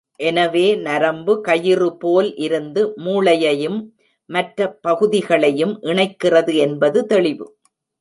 எனவே, நரம்பு கயிறு போல் இருந்து மூளையையும் மற்ற பகுதிகளையும் இணைக்கிறது என்பது தெளிவு.